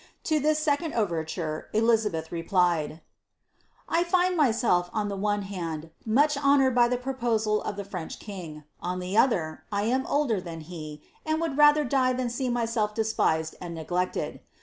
To ihi* second overture, Elizabeth replied' —"' I find myself, on the one hand, much honoured by ihe proposal of the French king ; on the other, 1 am older than he, and would rather die than see myself despised and neglected.